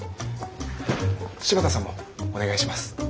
柴田さんもお願いします。